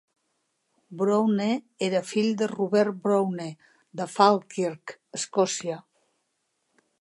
Browne era fill de Robert Browne de Falkirk, Escòcia.